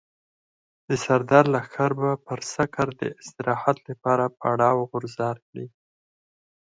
د سردار لښکر به پر سکر د استراحت لپاره پړاو غورځار کړي.